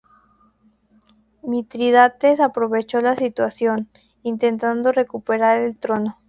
Mitrídates aprovechó la situación, intentando recuperar el trono.